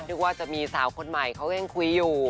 นึกว่าจะมีสาวคนใหม่เขาแก้งคุยอยู่